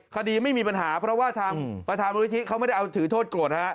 คดีไม่มีปัญหาเพราะว่าทางประธานมูลนิธิเขาไม่ได้เอาถือโทษโกรธฮะ